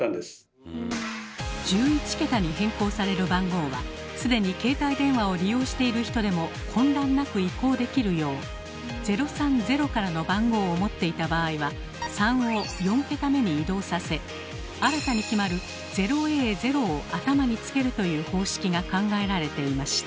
１１桁に変更される番号は既に携帯電話を利用している人でも混乱なく移行できるよう「０３０」からの番号を持っていた場合は「３」を４桁目に移動させ新たに決まる「０ａ０」を頭につけるという方式が考えられていました。